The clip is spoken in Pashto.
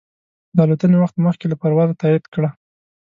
د الوتنې وخت مخکې له پروازه تایید کړه.